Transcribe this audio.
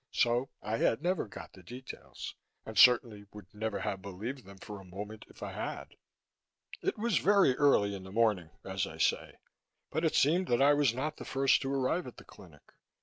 So I had never got the details and certainly would never have believed them for a moment if I had. It was very early in the morning, as I say, but it seemed that I was not the first to arrive at the clinic.